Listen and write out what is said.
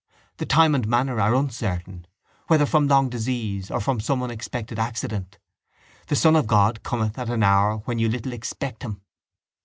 The time and manner are uncertain, whether from long disease or from some unexpected accident: the Son of God cometh at an hour when you little expect Him.